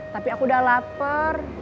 tapi aku udah lapar